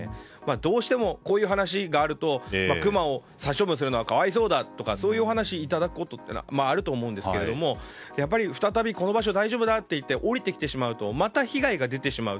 どうしても、こういう話があるとクマを殺処分するのは可哀想だとかそういうお話をいただくことがあると思うんですがやっぱり再びこの場所が大丈夫だとなって下りてきてしまうとまた被害が出てしまう。